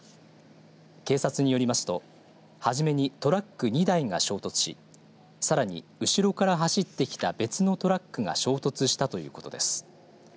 警察によりますとはじめにトラック２台が衝突しさらに後ろから走ってきた別のトラックが衝突したということです。